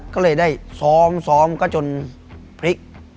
ก็เลยได้ซ้อมซ้อมก็จนพลิก